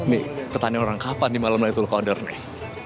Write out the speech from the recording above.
nih pertanyaan orang kapan di malam laylatul qadr nih